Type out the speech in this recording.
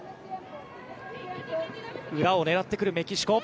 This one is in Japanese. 裏を狙ってくるメキシコ。